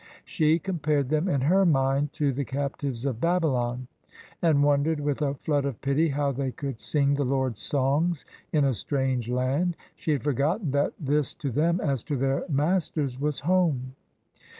She com pared them in her mind to the captives of Babylon, and wondered with a flood of pity how they could " sing the Lord's songs in a strange land." She had forgotten that this to them, as to their masters, was home.